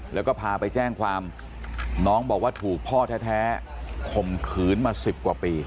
แล้วก็พาไปแจ้งความน้องบอกว่าถูกพ่อแท้ข่มขืนมา๑๐กว่าปี